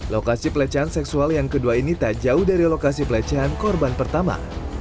lokasi pelecehan seksual yang kedua ini tak jauh dari lokasi pelecehan korban pertama